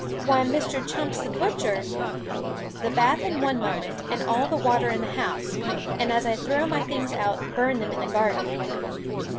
Why, Mr. Chumps the butcher " "The bath in one moment, and all the water in the house. And as I throw my things out, burn them in the garden."